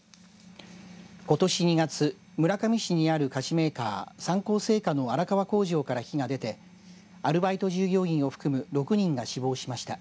ことし２月、村上市にある菓子メーカー、三幸製菓の荒川工場から火が出てアルバイト従業員を含む６人が死亡しました。